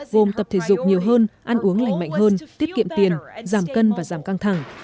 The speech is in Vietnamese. gồm tập thể dục nhiều hơn ăn uống lành mạnh hơn tiết kiệm tiền giảm cân và giảm căng thẳng